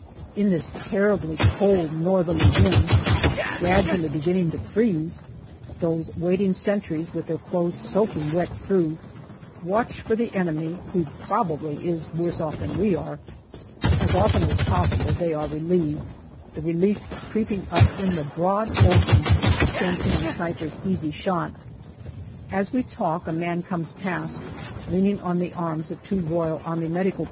In this terribly cold northerly wind, gradually beginning to freeze, those waiting sentries, with their clothes soaking wet through, watch for the enemy, who probably is worse off than we are. As often as possible they are relieved, the relief creeping up in the broad open, chancing the sniper's easy shot. As we talk, a man comes past, leaning on the arms of two R.A.M.C.